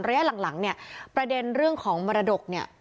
ระยะหลังเนี่ยประเด็นเรื่องของมรดกเนี่ย